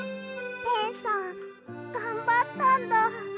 ペンさんがんばったんだ。